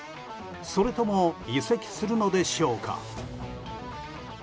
それとも移籍するのでしょうか。